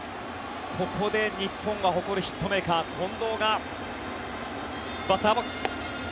ここで日本が誇るヒットメーカー近藤がバッターボックス。